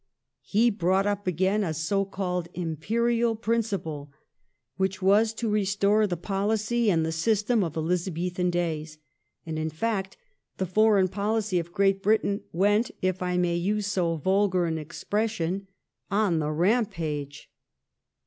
He brought up again a so called impe rial principle, which was to restore the policy and the system of Elizabethan days; and in fact the foreign policy of Great Britain went, if I may use so vulgar an expression, "on the rampage."